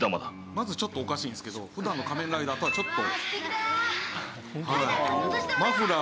「まずちょっとおかしいんですけど普段の仮面ライダーとはちょっと」